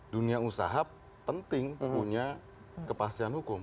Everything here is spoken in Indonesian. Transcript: dunia usaha penting punya kepastian hukum